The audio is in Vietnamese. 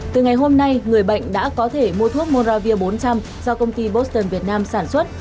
từ ngày hôm nay người bệnh đã có thể mua thuốc moravir bốn trăm linh do công ty boston việt nam sản xuất